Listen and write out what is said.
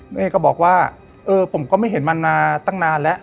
น้าเอกก็บอกว่าผมก็ไม่เห็นมันมาตั้งนานแล้ว